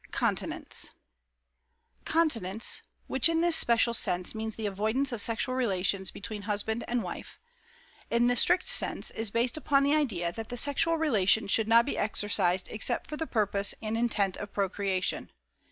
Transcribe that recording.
Continence. Continence (which in this special sense means the avoidance of sexual relations between husband and wife), in the strict sense, is based upon the idea that the sexual relation should not be exercised except for the purpose and intent of procreation.